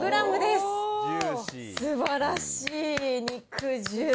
すばらしい肉汁。